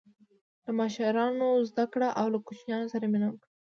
له مشرانو زده کړه او له کوچنیانو سره مینه وکړه.